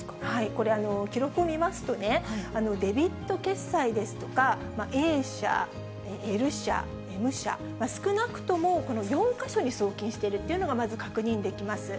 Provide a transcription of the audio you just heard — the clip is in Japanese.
これ、記録を見ますとね、デビット決済ですとか、Ａ社、Ｌ社、Ｍ社、少なくともこの４か所に送金しているというのがまず確認できます。